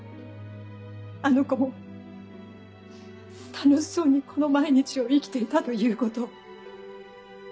あの子も楽しそうにこの毎日を生きていたということを。